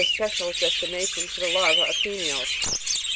57 special destination for the larvse of females.